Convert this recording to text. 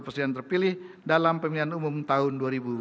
presiden terpilih dalam pemilihan umum tahun dua ribu sembilan belas